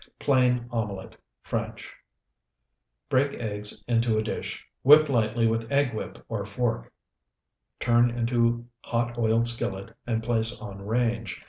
PLAIN OMELET (FRENCH) Break eggs into a dish, whip lightly with egg whip or fork, turn into hot oiled skillet, and place on range.